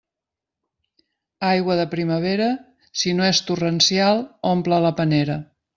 Aigua de primavera, si no és torrencial, omple la panera.